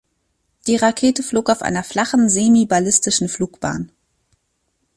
Die Rakete flog auf einer flachen semi-ballistischen Flugbahn.